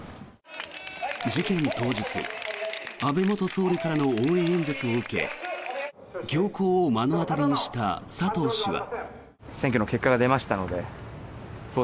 事件当日安倍元総理からの応援演説を受け凶行を目の当たりにした佐藤氏は。